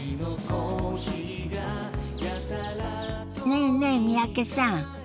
ねえねえ三宅さん。